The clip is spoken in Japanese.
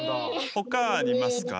ほかありますか？